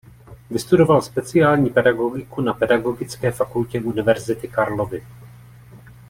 Vystudoval speciální pedagogiku na Pedagogické fakultě Univerzity Karlovy.